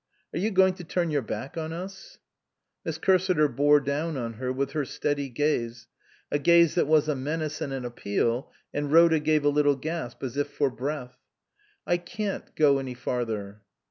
Are you going to turn your back on us ?" Miss Cursiter bore down on her with her steady gaze, a gaze that was a menace and an appeal, and Rhoda gave a little gasp as if for breath. " I can't go any farther."